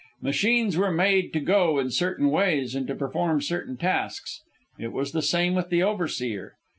Machines were made to go in certain ways and to perform certain tasks. It was the same with the overseer.